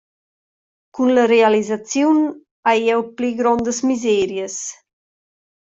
Cun la realisaziun haiel jeu pli grondas miserias.